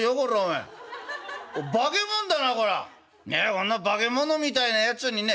こんな化け物みたいなやつにね